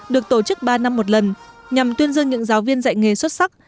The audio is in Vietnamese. được tổ chức ba năm một lần nhằm tuyên dương những giáo viên dạy nghề xuất sắc